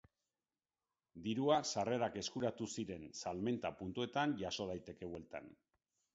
Dirua sarrerak eskuratu ziren salmenta-puntuetan jaso daiteke bueltan.